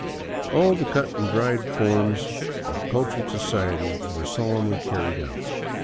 All the cut and dried forms of " cultured " society were solemnly carried out.